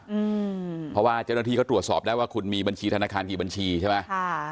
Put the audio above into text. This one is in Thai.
อืมเพราะว่าเจ้าหน้าที่เขาตรวจสอบได้ว่าคุณมีบัญชีธนาคารกี่บัญชีใช่ไหมค่ะ